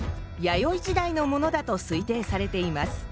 弥生時代のものだと推定されています。